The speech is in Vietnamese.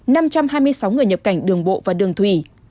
năm trăm hai mươi sáu người nhập cảnh đường bộ và đường thủy